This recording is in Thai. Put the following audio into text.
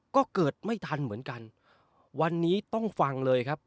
ก็เกิดไม่ทันเหมือนกันวันนี้ต้องฟังเลยครับ